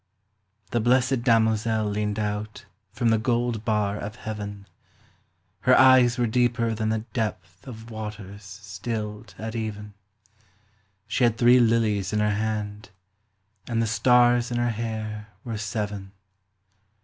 * The blessed damozel leaned out From the gold bar of Heaven ; Her eyes were deeper than the depth Of waters stilled at even, She had three lilies in her hand, And the stars in her hair were seven.